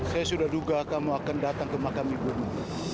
saya sudah duga kamu akan datang ke makam ibunya